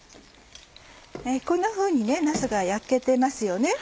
こんなふうになすが焼けてますよね。